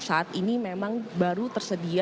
saat ini memang baru tersedia